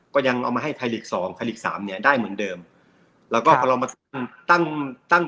ก็ยังเอามาให้สองสามเนี้ยได้เหมือนเดิมแล้วก็พอเรามาตั้งตั้ง